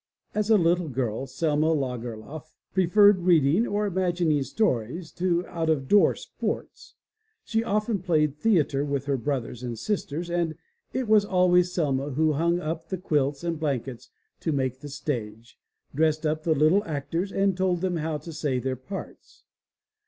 As a little girl, Selma Lagerlof preferred reading or imagining stories to out of door sports. She often played theatre with her brothers and sisters and it was always Selma who hung up the quilts and blankets to make the stage, dressed up the little actors and told them how to say their parts.